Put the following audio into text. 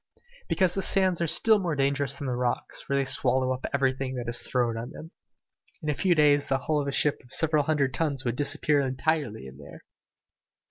"Because the sands are still more dangerous than the rocks, for they swallow up everything that is thrown on them. In a few days the hull of a ship of several hundred tons would disappear entirely in there!"